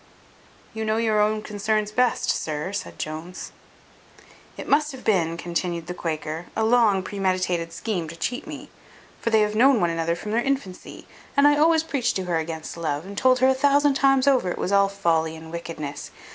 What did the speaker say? "You know your own concerns best, sir," said Jones. "It must have been," continued the Quaker, "a long premeditated scheme to cheat me: for they have known one another from their infancy; and I always preached to her against love, and told her a thousand times over it was all folly and wickedness.